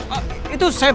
ah itu sam